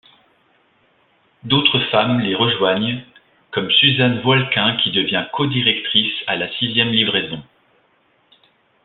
D'autres femmes les rejoignent, comme Suzanne Voilquin qui devient codirectrice à la sixième livraison.